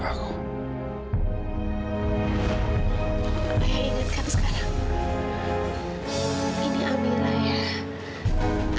tapi aku ingatkan sekarang